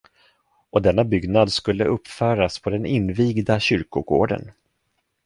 Och denna byggnad skulle uppföras på den invigda kyrkogården.